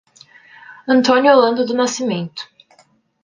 Antônio Holanda do Nascimento